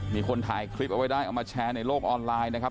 มีคนถ่ายคลิปเอาไว้ได้เอามาแชร์ในโลกออนไลน์นะครับ